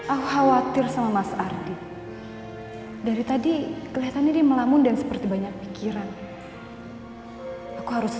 aku khawatir sama mas ardi dari tadi kelihatannya dia melamun dan seperti banyak pikiran aku harus